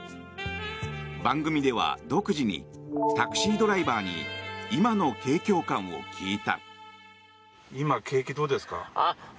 番組では独自にタクシードライバーに今の景況感を聞いた。